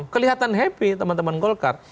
kelihatan happy teman teman golkar